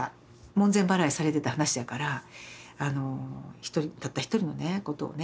門前払いされてた話やからたった一人のねことをね